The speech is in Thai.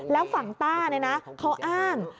แล้วฝั่งต้าเขาอ้าง